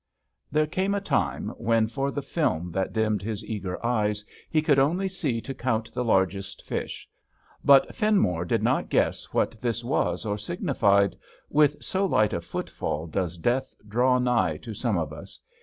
There came a time when, for the film that dimmed his eager eyes, he could only see to count the largest fish, but Finmore did not guess what this was or signified, with so light a footfall does death draw nigh to some of us.